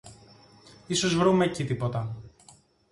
Ισως βρούμε εκεί τίποτα.